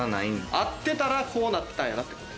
会ってたらこうなったんやなって。